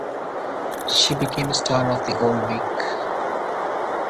She became a star of the Old Vic.